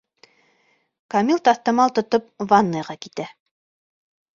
Камил таҫтамал тотоп ванныйға китә.